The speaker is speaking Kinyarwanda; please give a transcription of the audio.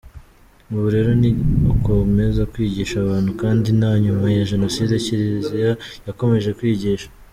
Ubu rero ni ugukomeza kwigisha abantu kandi na nyuma ya Jenoside Kiriziya yakomeje kwigisha.